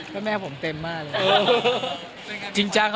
เยี่ยมเหรอ